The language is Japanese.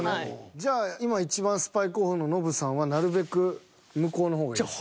じゃあ今いちばんスパイ候補のノブさんはなるべく向こうの方がいいですね。